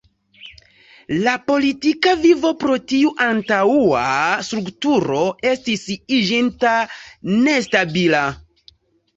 La politika vivo pro tiu antaŭa strukturo estis iĝinta nestabila.